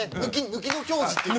「抜きの京二」っていう。